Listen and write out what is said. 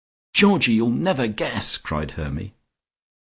"Georgie, you'll never guess!" cried Hermy.